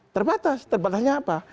terbatas terbatasnya apa